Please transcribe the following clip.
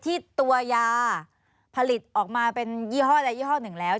ที่ตัวยาผลิตออกมาเป็นยี่ห้อใดยี่ห้อหนึ่งแล้ว